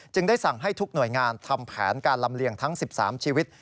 ได้สั่งให้ทุกหน่วยงานทำแผนการลำเลียงทั้ง๑๓ชีวิต